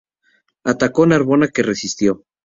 Atacó Narbona que resistió.